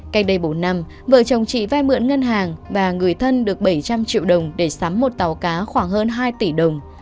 cách đây bốn năm vợ chồng chị vai mượn ngân hàng và người thân được bảy trăm linh triệu đồng để sắm một tàu cá khoảng hơn hai tỷ đồng